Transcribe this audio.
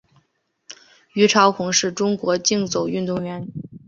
虞朝鸿是中国竞走运动员。